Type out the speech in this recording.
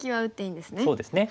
そうですね。